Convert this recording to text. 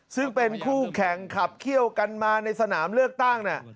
ซึ่งเป็นคู่แข่งขับเขี้ยวกันมาในสนามเลือกตั้ง